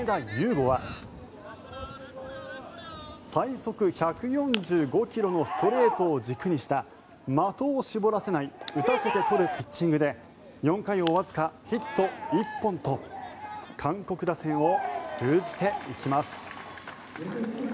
伍は最速１４５ｋｍのストレートを軸にした的を絞らせない打たせて取るピッチングで４回をわずかヒット１本と韓国打線を封じていきます。